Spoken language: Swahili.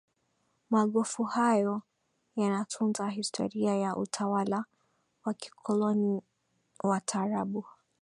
Magofu hayo yanatunza historia ya utawala wa kikoloni wa waarabu